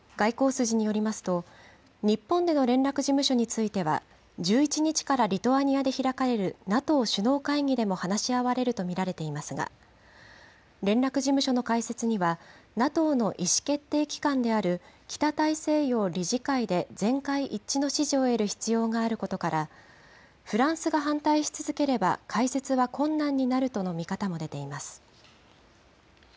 外交筋によりますと、日本での連絡事務所については、１１日からリトアニアで開かれるＮＡＴＯ首脳会議でも話し合われると見られていますが、連絡事務所の開設には、ＮＡＴＯの意思決定機関である北大西洋理事会で全会一致の支持を得る必要があることから、フランスが反対し続ければ開設は困難になるとの見方も出ています。